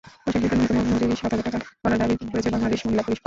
পোশাকশিল্পে ন্যূনতম মজুরি সাত হাজার টাকা করার দাবি করেছে বাংলাদেশ মহিলা পরিষদ।